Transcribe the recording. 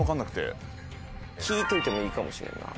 聞いといてもいいかもしれんな。